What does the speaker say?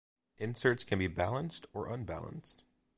Inserts can be balanced or unbalanced.